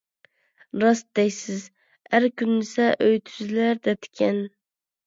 راست دەيسىز. «ئەر كۈنلىسە ئۆي تۈزىلەر» دەپتىكەن.